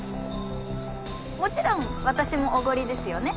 もちろん私も奢りですよね。